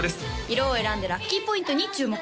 色を選んでラッキーポイントに注目！